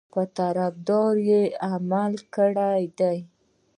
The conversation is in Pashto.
په طرفداري عمل کړی دی.